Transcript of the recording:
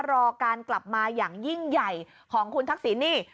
รอการกลับมาอย่างยิ่งใหญ่ของคุณทักษิณนี่